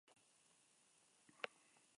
Juan E. Curutchet como Presidente, el Lic.